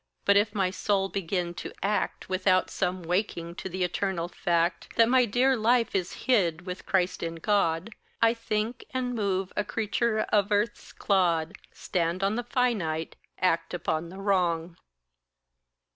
But if my soul begin to act Without some waking to the eternal fact That my dear life is hid with Christ in God I think and move a creature of earth's clod, Stand on the finite, act upon the wrong.